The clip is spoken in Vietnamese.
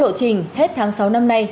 theo lộ trình hết tháng sáu năm nay